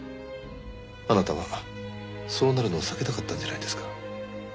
あなたはそうなるのを避けたかったんじゃないですか？